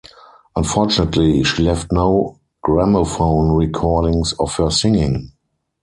Unfortunately, she left no gramophone recordings of her singing.